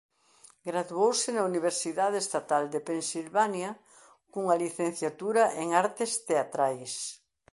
Graduouse na Universidade Estatal de Pensilvania cunha licenciatura en Artes Teatrais.